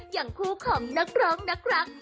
อย่างคู่ของนักร้องนักรัก